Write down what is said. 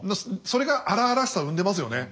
それが荒々しさを生んでますよね。